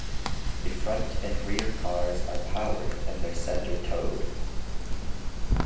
The front and rear cars are powered and the centre towed.